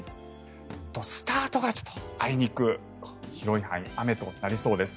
スタートがちょっとあいにく広い範囲で雨となりそうです。